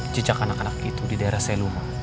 jejak anak anak itu di daerah seluma